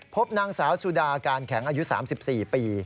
พบนางสาวสุดาการแข็งอายุ๓๔ปี